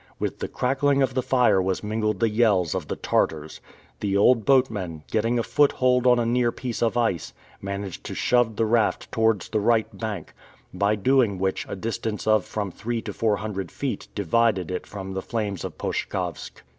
With the crackling of the fire was mingled the yells of the Tartars. The old boatman, getting a foothold on a near piece of ice, managed to shove the raft towards the right bank, by doing which a distance of from three to four hundred feet divided it from the flames of Poshkavsk.